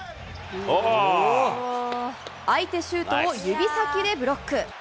相手シュートを指先でブロック。